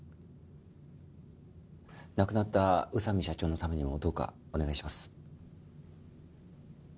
亡くなった宇佐美社長のためにもどうかお願いします。